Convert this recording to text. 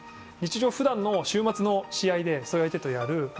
普段の週末の試合でそういう相手とやる。